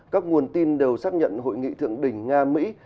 các nguồn tin đều xác nhận hội nghị thượng đỉnh nga mỹ